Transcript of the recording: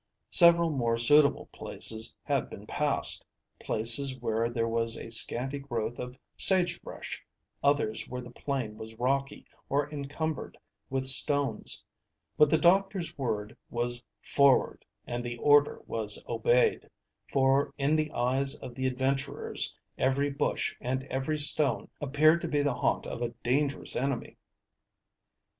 Several more suitable places had been passed places where there was a scanty growth of sage brush, others where the plain was rocky or encumbered with stones; but the doctor's word was "Forward," and the order was obeyed, for in the eyes of the adventurers every bush and every stone appeared to be the haunt of a dangerous enemy.